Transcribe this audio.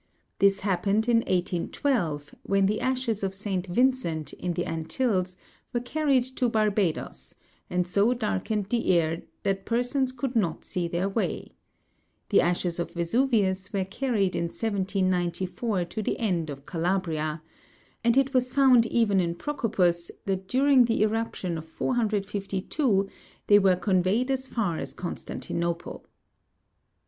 This happened in 1812, when the ashes of Saint Vincent, in the Antilles, were carried to Barbadoes, and so darkened the air that persons could not see their way. The ashes of Vesuvius were carried in 1794 to the end of Calabria; and it was found even in Procopus, that during the eruption of 452 they were conveyed as far as Constantinople.